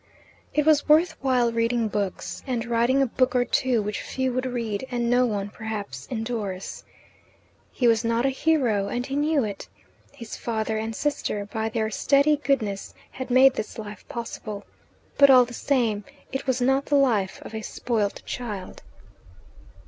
It was worth while reading books, and writing a book or two which few would read, and no one, perhaps, endorse. He was not a hero, and he knew it. His father and sister, by their steady goodness, had made this life possible. But, all the same, it was not the life of a spoilt child.